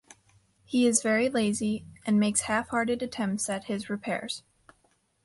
He is very lazy and makes half-hearted attempts at his repairs.